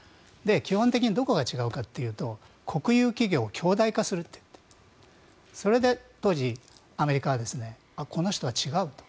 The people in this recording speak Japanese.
基本的にどこが違うかというと国有企業を強大化するといっているそれで当時、アメリカはこの人は違うと。